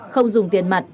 không dùng tiền mặt